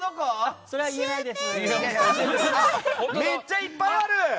めっちゃいっぱいある！